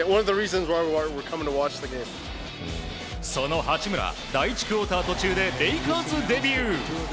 その八村第１クオーター途中でレイカーズデビュー。